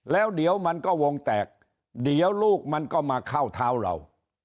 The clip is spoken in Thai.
แล้วเดี๋ยวมันก็วงแตกเดี๋ยวลูกมันก็มาเข้าเท้าเรา